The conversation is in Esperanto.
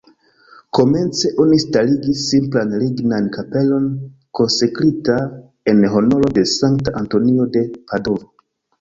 Komence oni starigis simplan lignan kapelon konsekrita en honoro de Sankta Antonio de Padovo.